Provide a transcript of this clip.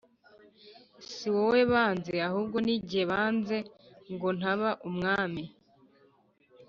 Si wowe banze ahubwo ni jye banze ngo ntaba umwami